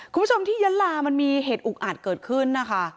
คุณผู้ชมที่ยะลามันมีเหตุอุกอาจเกิดขึ้นนะคะ